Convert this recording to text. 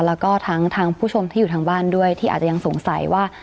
แล้วก็ทั้งผู้ชมที่อยู่ทางบ้านด้วยที่อาจจะยังสงสัยว่า